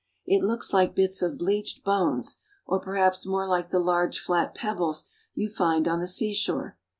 It looks like bits of bleached bones, or perhaps more like the large flat pebbles you find on the seashore.